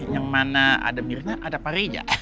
yang mana ada mirna ada pak rija